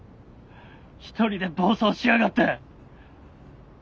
一人で暴走しやがって。